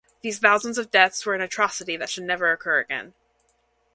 These thousands of deaths were an atrocity that should never occur again.